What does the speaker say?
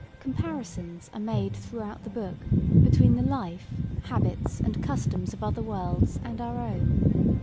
Comparisons are made throughout the book between the life, habits, and customs of other worlds and our own.